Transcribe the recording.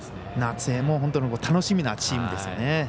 夏も、本当に楽しみなチームです。